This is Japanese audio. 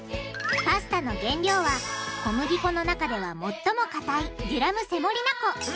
パスタの原料は小麦粉の中では最もかたいデュラムセモリナ粉。